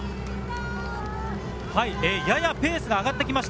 ややペースが上がってきました。